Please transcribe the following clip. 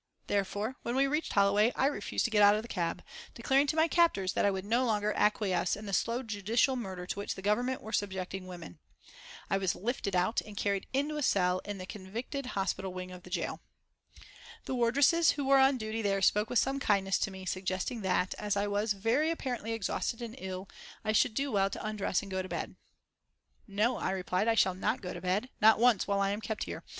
Therefore, when we reached Holloway I refused to get out of the cab, declaring to my captors that I would no longer acquiesce in the slow judicial murder to which the Government were subjecting women. I was lifted out and carried into a cell in the convicted hospital wing of the gaol. The wardresses who were on duty there spoke with some kindness to me, suggesting that, as I was very apparently exhausted and ill, I should do well to undress and go to bed. "No," I replied, "I shall not go to bed, not once while I am kept here.